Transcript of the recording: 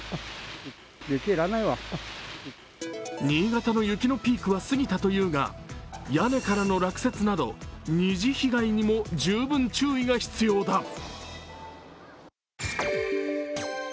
新潟の雪のピークは過ぎたというが屋根からの落雪など二次被害にも十分注意が必要だ。